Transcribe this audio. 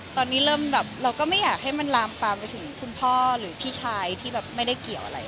ตอนนี้เราก็ไม่อยากให้รามปราวมไปถึงคุณพ่อหรือพิชัยที่ไม่ได้เกี่ยวอะไร